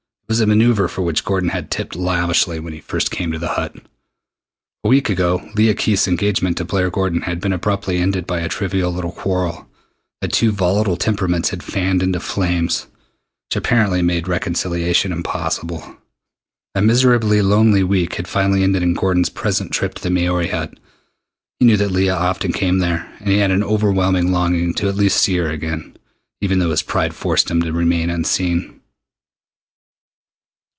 It was a maneuver for which Gordon had tipped lavishly when he first came to the Hut. A week ago Leah Keith's engagement to Blair Gordon had been abruptly ended by a trivial little quarrel that two volatile temperaments had fanned into flames which apparently made reconciliation impossible. A miserably lonely week had finally ended in Gordon's present trip to the Maori Hut. He knew that Leah often came there, and he had an overwhelming longing to at least see her again, even though his pride forced him to remain unseen.